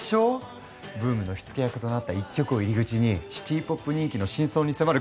ブームの火付け役となった一曲を入り口にシティ・ポップ人気の真相に迫る